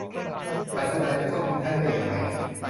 ศาสดาจะทอดทิ้งท่านได้อย่างไร